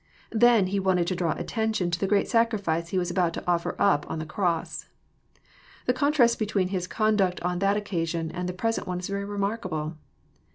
Then He wanted to draw at tention to the great sacrifice He was about to offer up on the crobS. The contrast between His conduct on that occasion and the present one is very remarlLable.